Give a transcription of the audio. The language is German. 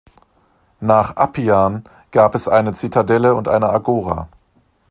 Nach Appian gab es eine Zitadelle und eine Agora.